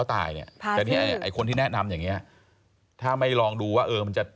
ถ้าไม่ลองดูว่ามันจะจัดการอะไรยังไงได้บ้าง